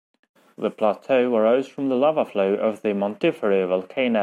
The plateau arose from the lava flow of the Montiferru volcano.